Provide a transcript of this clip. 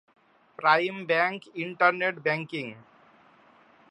prime bank internet banking